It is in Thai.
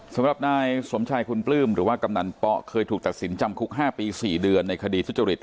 สำหรับนายสมชายคุณปลื้มหรือว่ากำนันป๊อเคยถูกตัดสินจำคุก๕ปี๔เดือนในคดีทุจริต